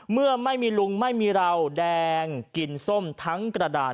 เมื่อไม่มีลุงไม่มีเราแดงกินส้มทั้งกระดาน